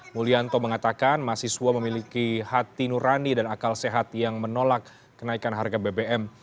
mulyanto mengatakan mahasiswa memiliki hati nurani dan akal sehat yang menolak kenaikan harga bbm